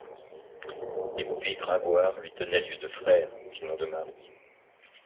Et puis, Gringoire lui tenait lieu de frère, sinon de mari.